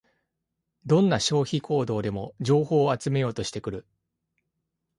どんな消費行動でも情報を集めようとしてくる